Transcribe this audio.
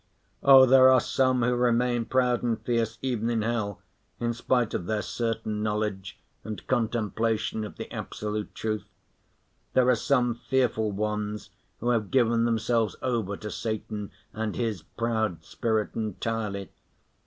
Oh, there are some who remain proud and fierce even in hell, in spite of their certain knowledge and contemplation of the absolute truth; there are some fearful ones who have given themselves over to Satan and his proud spirit entirely.